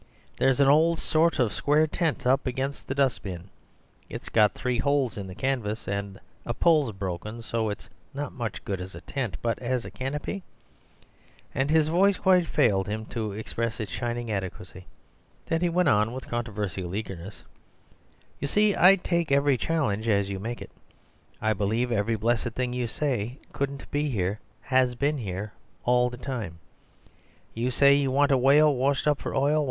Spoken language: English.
There's an old sort of square tent up against the dustbin; it's got three holes in the canvas, and a pole's broken, so it's not much good as a tent, but as a Canopy—" And his voice quite failed him to express its shining adequacy; then he went on with controversial eagerness: "You see I take every challenge as you make it. I believe every blessed thing you say couldn't be here has been here all the time. You say you want a whale washed up for oil.